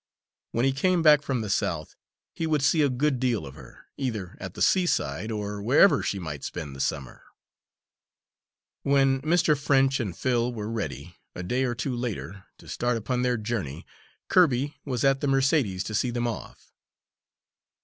When he came back from the South, he would see a good deal of her, either at the seaside, or wherever she might spend the summer. When Mr. French and Phil were ready, a day or two later, to start upon their journey, Kirby was at the Mercedes to see them off.